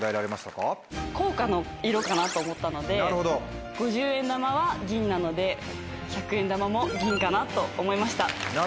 硬貨の色かなと思ったので５０円玉は銀なので１００円玉も銀かなと思いました。